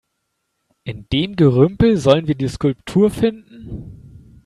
In dem Gerümpel sollen wir die Skulptur finden?